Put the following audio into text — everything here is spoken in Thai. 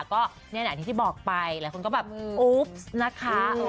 ก็นี่แหละอย่างที่บอกไปหลายคนก็แบบอุ๊บนะคะ